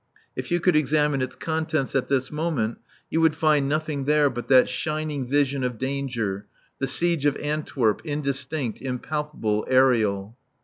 If you could examine its contents at this moment you would find nothing there but that shining vision of danger, the siege of Antwerp, indistinct, impalpable, aerial.